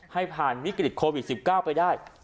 ให้ผ่านวิกฤตโควิด๑๙ไปได้